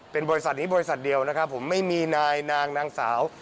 เป็นบริษัทนี้บริษัทเดียวนะครับผมไม่มีนายนางนางสาว